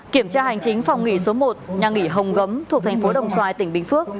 kiểm tra hành chính phòng nghỉ số một nhà nghỉ hồng gấm thuộc thành phố đồng xoài tỉnh bình phước